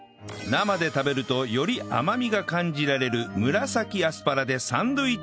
生で食べるとより甘みが感じられる紫アスパラでサンドウィッチ作り